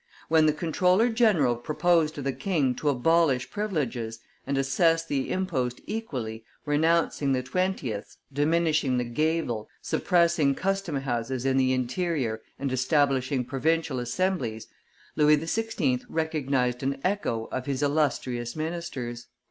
When the comptroller general proposed to the king to abolish privileges, and assess the impost equally, renouncing the twentieths, diminishing the gabel, suppressing custom houses in the interior and establishing provincial assemblies, Louis XVI. recognized an echo of his illustrious ministers.